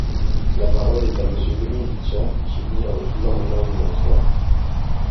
La parole est à Monsieur Dominique Tian, pour soutenir le sous-amendement numéro trois.